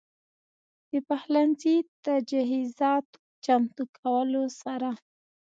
د پخلنځي تجهيزاتو چمتو کولو سره